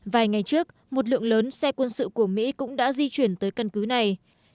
vài ngày trước một lượng lớn xe quân sự của mỹ cũng đã di chuyển tới căn cứ này